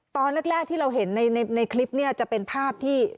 ตอนแรกที่เราเห็นในคลิปเนี่ยจะเป็นภาพที่